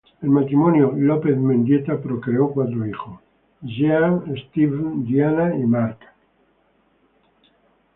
El matrimonio López Mendieta procreó cuatro hijos: Jean, Steven, Diana y Mark.